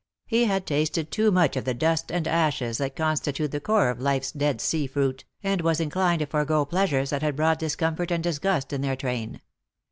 He had tasted too much of the dust and ashes that constitute the core of life's Dead Sea fruit, and was inclined to forego pleasures that had brought discom fort and disgust in their train.